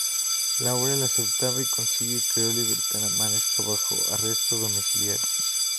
Laurel acepta y consigue que Oliver permanezca bajo arresto domiciliario.